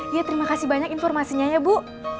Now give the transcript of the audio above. ya terima kasih banyak informasinya ya bu